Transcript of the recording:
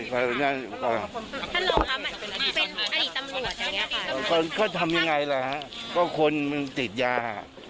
ก็ทำยังไงละเขาคนติดยา